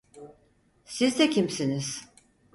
Sizde kimsiniz?